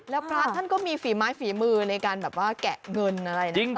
แล้วพระท่านก็มีฝีไม้ฝีมือในการแบบว่าแกะเงินอะไรนะ